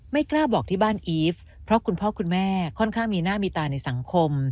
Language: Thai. ไม่กล้าบอกที่บ้านอีฟเพราะคุณพ่อคุณแม่ค่อนข้างมีหน้ามีตาในสังคม